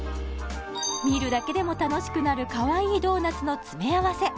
見るだけでも楽しくなるかわいいドーナツの詰め合わせ